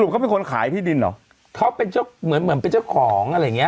เขาเป็นคนขายที่ดินเหรอเขาเป็นเจ้าเหมือนเหมือนเป็นเจ้าของอะไรอย่างเงี้